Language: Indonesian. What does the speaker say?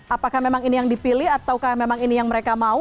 apakah memang ini yang dipilih atau memang ini yang mereka mau